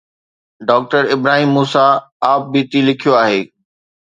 Doctor Ibrahim Musa ”Aap Beti“ لکيو آهي.